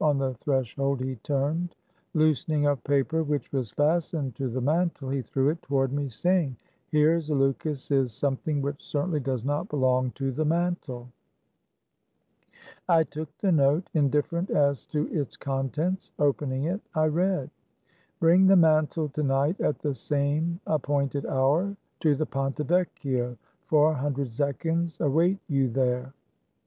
On the threshold he turned. Loosening a paper which was fastened to the mantle, he threw it toward me, saying, "Here, Zaleukos, is some thing which certainly does not belong to the mantle." I took the note, indifferent as to its contents. Opening it I read :" Bring the mantle to night, at the same appointed hour, to the Ponte Vecchio ; four hundred zechins await you there."